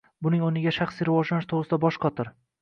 Buning o'rniga shaxsiy rivojlanish to'g'risida bosh qotir.